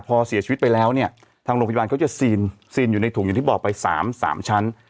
พอเสียชีวิตไปแล้วเนี่ยทางโรงพยาบาลเขาจะซีนซีนอยู่ในถุงอย่างที่บอกไป๓๓ชั้น